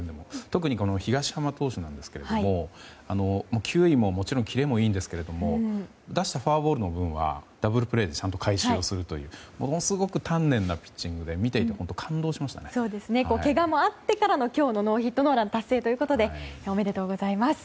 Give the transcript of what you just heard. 特に、東浜投手なんですけど球威ももちろんキレもいいんですけれども出したフォアボールの分はダブルプレーでちゃんと回収するというものすごく丹念なピッチングでけがもあってからの今日のノーヒットノーラン達成ということでおめでとうございます。